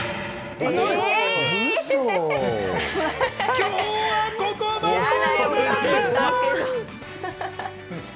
今日はここまででございます。